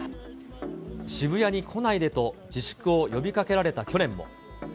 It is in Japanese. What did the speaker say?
渋谷に来ないでと自粛を呼びかけられた去年も。